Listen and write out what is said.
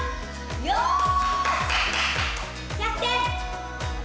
よし！